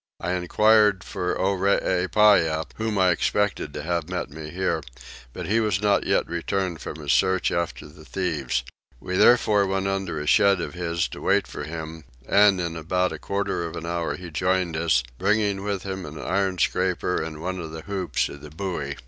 I enquired for Oreepyah, whom I expected to have met me here, but he was not yet returned from his search after the thieves; we therefore went under a shed of his to wait for him, and in about a quarter of an hour he joined us, bringing with him an iron scraper and one of the hoops of the buoy.